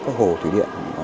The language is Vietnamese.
các hồ thủy điện không bị rơi